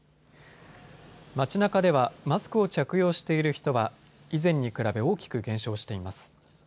街なかではマスクを着用している人は以前に比べ大きく減少しています。